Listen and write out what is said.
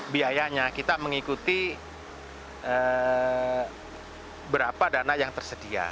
biayanya kita mengikuti berapa dana yang tersedia